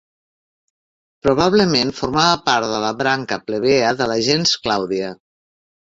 Probablement formava part de la branca plebea de la gens Clàudia.